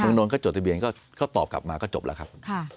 นนท์ก็จดทะเบียนก็ตอบกลับมาก็จบแล้วครับ